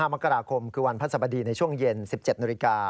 ๒๕มกราคมคือวันพระสบดีในช่วงเย็น๑๗น